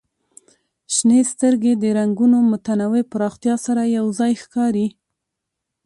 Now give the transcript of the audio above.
شنې سترګې د رنګونو متنوع پراختیا سره یو ځای ښکاري.